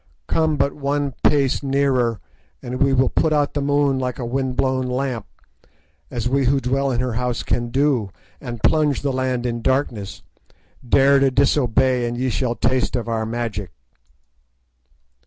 Come but one pace nearer, and we will put out the moon like a wind blown lamp, as we who dwell in her House can do, and plunge the land in darkness. Dare to disobey, and ye shall taste of our magic."